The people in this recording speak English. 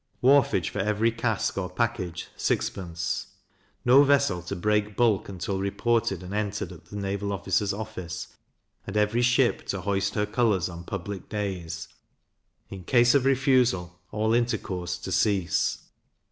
Wharfage for every cask or package 6d. No vessel to break bulk until reported and entered at the naval officer's office; and every ship to hoist her colours on public days; in case of refusal, all intercourse to cease.